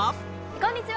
こんにちは！